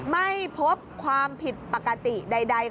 ไม่พบความผิดปกติใด